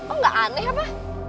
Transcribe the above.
oh gak aneh apa